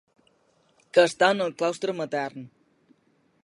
Que està en el claustre matern.